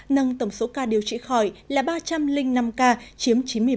nâng tổng số ca điều trị khỏi là ba trăm linh năm ca chiếm chín mươi một